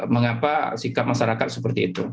mengapa sikap masyarakat seperti itu